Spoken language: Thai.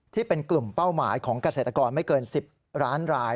ที่เป็นกลุ่มเป้าหมายของเกษตรกรไม่เกิน๑๐ล้านราย